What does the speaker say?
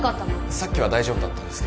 さっきは大丈夫だったんですけど。